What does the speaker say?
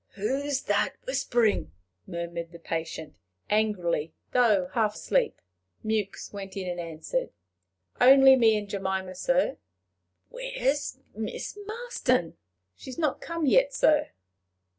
"Who's that whispering?" murmured the patient, angrily, though half asleep. Mewks went in, and answered: "Only me and Jemima, sir." "Where's Miss Marston?" "She's not come yet, sir."